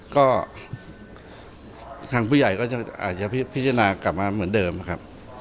ก็ทางผู้ใหญ่ก็อาจจะพิจารณากลับมาเหมือนเดิมนะครับ